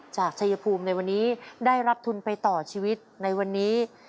ชายภูมิในวันนี้ได้รับทุนไปต่อชีวิตในวันนี้